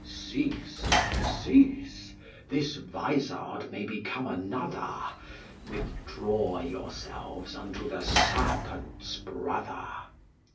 Cease, cease, this vizard may become another, Withdraw yourselves unto the serpent's brother.